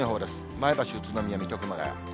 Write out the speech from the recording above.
前橋、宇都宮、水戸、熊谷。